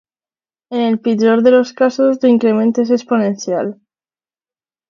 En el pitjor del casos, l'increment és exponencial.